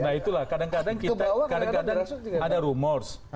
nah itulah kadang kadang kita ada rumours